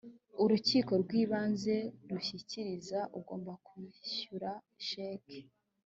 urukiko rw’ ibanze rushyikiriza ugomba kuyishyura sheki